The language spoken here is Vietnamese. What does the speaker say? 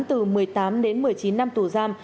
từ một mươi tám đến một mươi chín năm tù giam